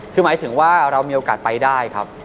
คือหมายถึงว่าเรามีโอกาสไปได้ครับ